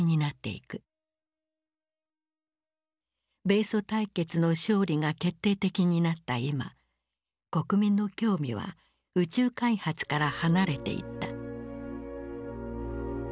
米ソ対決の勝利が決定的になった今国民の興味は宇宙開発から離れていった。